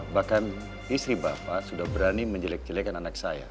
bahkan istri bapak sudah berani menjelek jelekkan anak saya